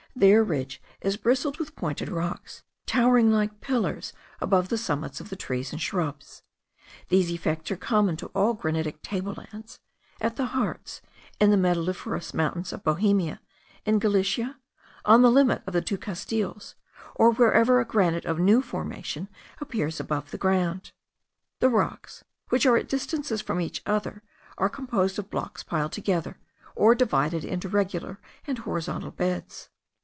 Their ridge is bristled with pointed rocks, towering like pillars above the summits of the trees and shrubs. These effects are common to all granitic table lands, at the Harz, in the metalliferous mountains of Bohemia, in Galicia, on the limit of the two Castiles, or wherever a granite of new formation appears above the ground. The rocks, which are at distances from each other, are composed of blocks piled together, or divided into regular and horizontal beds.